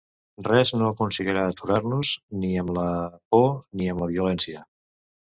Res no aconseguirà aturar-nos, ni amb la por ni amb la violència.